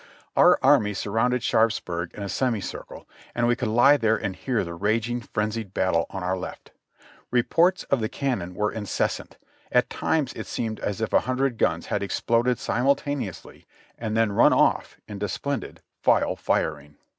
Our army surrounded Sharpsburg in a semi circle, and we could lie there and hear the raging, frenzied battle on our left; reports of the cannon were incessant, at times it seemed as if a hundred guns had exploded simultaneously and then run ofif into splendid file firing.